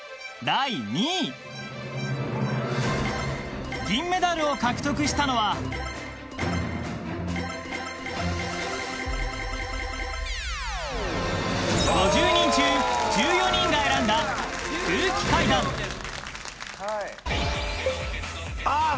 第２位銀メダルを獲得したのは５０人中１４人が選んだ空気階段ああ